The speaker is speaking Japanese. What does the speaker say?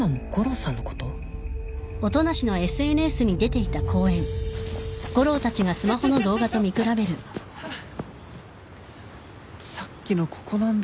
さっきのここなんだけど。